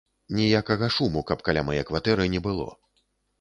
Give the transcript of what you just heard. Ніякага шуму каб каля мае кватэры не было.